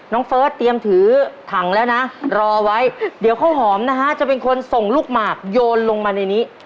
เฟิร์สเตรียมถือถังแล้วนะรอไว้เดี๋ยวข้าวหอมนะฮะจะเป็นคนส่งลูกหมากโยนลงมาในนี้